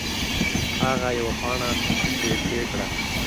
هغه یوه پاڼه ترې پرې کړه.